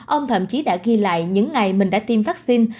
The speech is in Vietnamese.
ông thậm chí đã ghi lại những ngày mình đã tiêm vaccine